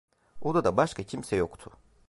Odada başka kimse yoktu.